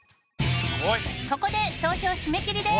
ここで投票締め切りです。